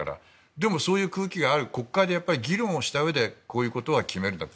でもそういう空気がある国会で議論したうえでこういうことは決めると。